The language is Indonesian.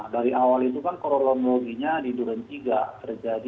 dari awal itu kan kronologinya di duransiga terjadi